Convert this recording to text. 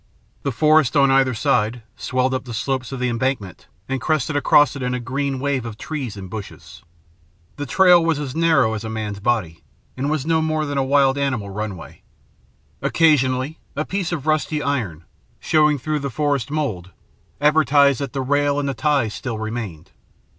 The forest on either side swelled up the slopes of the embankment and crested across it in a green wave of trees and bushes. The trail was as narrow as a man's body, and was no more than a wild animal runway. Occasionally, a piece of rusty iron, showing through the forest mould, advertised that the rail and the ties still remained.